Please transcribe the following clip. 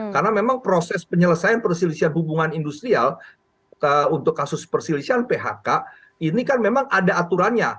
karena memang proses penyelesaian perselisihan hubungan industrial untuk kasus perselisihan phk ini kan memang ada aturannya